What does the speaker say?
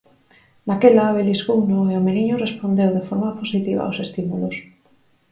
Daquela beliscouno e o meniño respondeu de forma positiva aos estímulos.